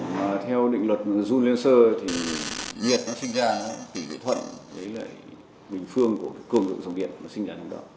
mà theo định luật dung liên sơ thì nhiệt nó sinh ra tỉ lệ thuận đấy là bình phương của cơm lượng dòng điện nó sinh ra trong đó